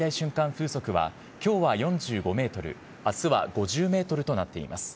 風速は、きょうは４５メートル、あすは５０メートルとなっています。